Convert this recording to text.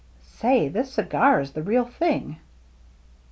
Say, this cigar is the real thing."